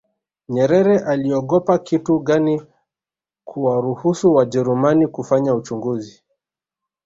nyerere aliogopa kitu gani kuwaruhusu wajerumani kufanya uchunguzi